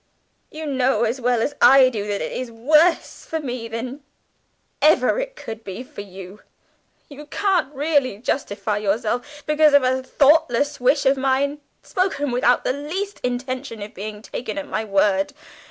You know as well as I do that it is worse for me than ever it could be for you.... You can't really justify yourself because of a thoughtless wish of mine, spoken without the least intention of being taken at my word.